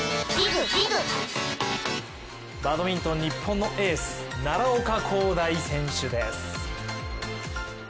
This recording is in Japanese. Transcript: バドミントン日本のエース、奈良岡功大選手です。